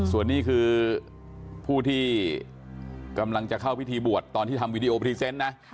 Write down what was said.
ส่วนนี้คือผู้ที่กำลังจะเข้าพิธีบวชตอนที่ทำวีดีโอพรีเซนต์นะ